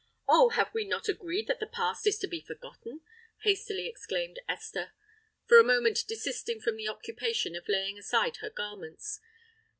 "Oh! have we not agreed that the past is to be forgotten?" hastily exclaimed Esther, for a moment desisting from the occupation of laying aside her garments.